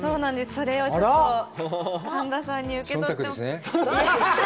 それをちょっと神田さんに受け取ってそんたくですね